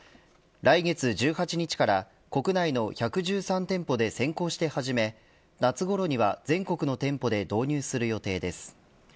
来月１８日から国内の１１３店舗で先行して始め、夏ごろには全国の店舗で導入する予定です。